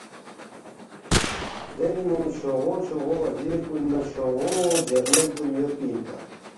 دینگ نُو چھوغو چھوغو وزیر کُن نہ چھوغو جرنیل کُن یودپی اِنپا